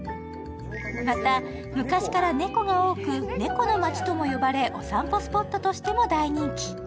また、昔から猫が多く、猫の町友呼ばれ、お散歩スポットとしても大人気。